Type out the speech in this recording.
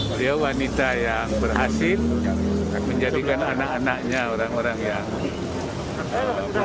beliau wanita yang berhasil menjadikan anak anaknya orang orang yang